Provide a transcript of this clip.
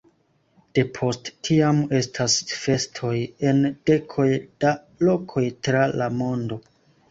Depost tiam estas festoj en dekoj da lokoj tra la mondo.